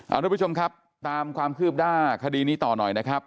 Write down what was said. ทุกผู้ชมครับตามความคืบหน้าคดีนี้ต่อหน่อยนะครับ